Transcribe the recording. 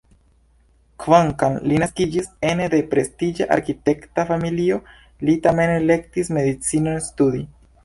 Kvankam li naskiĝis ene de prestiĝa arkitekta familio, li tamen elektis medicinon studi.